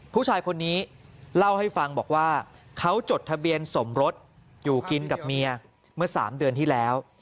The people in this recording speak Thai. ผู้ชายคนนี้เล่าให้ฟังบอกว่าเขาจดทะเบียนสมรสอยู่กินกับเมียเมื่อ๓เดือนที่แล้ว